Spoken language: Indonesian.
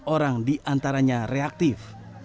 empat orang diantaranya reaktif